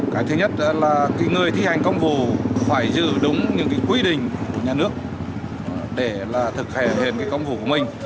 cái thứ nhất là người thi hành công vụ phải giữ đúng những quy định của nhà nước để thực hiện công vụ của mình